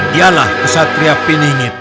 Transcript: dialah kesatria peninggit